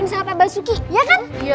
enggak kepala sugar ya